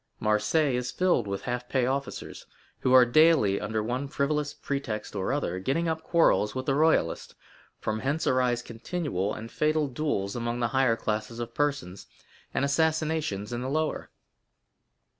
Marseilles is filled with half pay officers, who are daily, under one frivolous pretext or other, getting up quarrels with the royalists; from hence arise continual and fatal duels among the higher classes of persons, and assassinations in the lower."